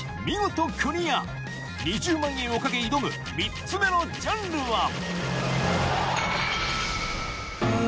見事クリア２０万円を懸け挑む３つ目のジャンルは